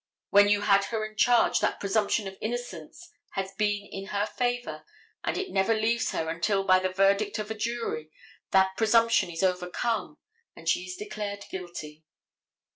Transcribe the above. When you had her in charge that presumption of innocence has been in her favor and it never leaves her until by the verdict of a jury that presumption is overcome and she is declared guilty.